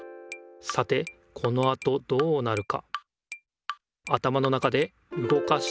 さてこのあとどうなるか？